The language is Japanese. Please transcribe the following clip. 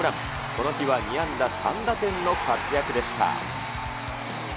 この日は２安打３打点の活躍でした。